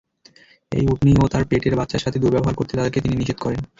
এই উটনী ও তার পেটের বাচ্চার সাথে দুর্ব্যবহার করতে তাদেরকে তিনি নিষেধ করেন।